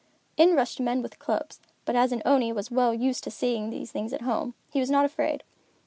In rushed men with clubs, but as an Oni was well used to seeing these at home, he was not afraid.